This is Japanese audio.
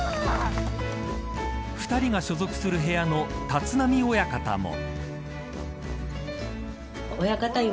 ２人が所属する部屋の立浪親方も。